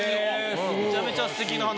めちゃめちゃすてきな話。